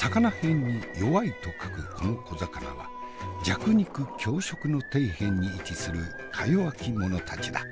魚偏に弱いと書くこの小魚は弱肉強食の底辺に位置するかよわき者たちだ。